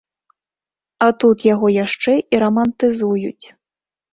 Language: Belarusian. А тут яго яшчэ і рамантызуюць.